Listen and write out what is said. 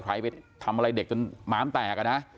ไทรไปทำอะไรเด็กจนหมามแตก